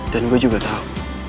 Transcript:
dan gue juga tau